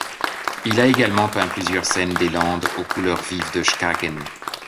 Il a également peint plusieurs scènes des landes aux couleurs vives de Skagen.